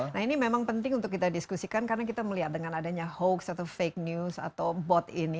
nah ini memang penting untuk kita diskusikan karena kita melihat dengan adanya hoax atau fake news atau bot ini